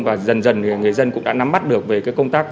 và dần dần người dân cũng đã nắm mắt được về cái công tác